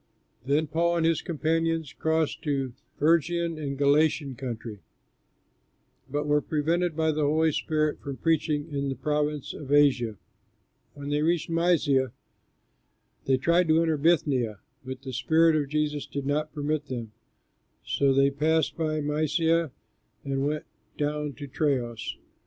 Then Paul and his companions crossed the Phrygian and Galatian country, but were prevented by the Holy Spirit from preaching in the province of Asia. When they reached Mysia they tried to enter Bithynia, but the Spirit of Jesus did not permit them; so passing by Mysia they went down to Troas.